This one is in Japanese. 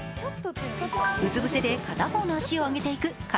うつぶせで片方の脚を上げていく片